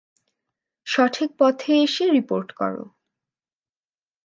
সঠিক পথে এসে রিপোর্ট করো।